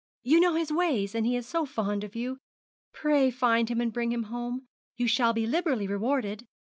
'You know his ways, and he is so fond of you. Pray find him, and bring him home. You shall be liberally rewarded.